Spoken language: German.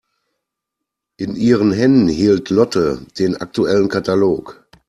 In ihren Händen hielt Lotte den aktuellen Katalog.